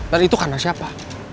dan itu karena siapa